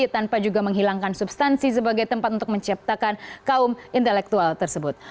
tanpa juga menghilangkan substansi sebagai tempat untuk menciptakan kaum intelektual tersebut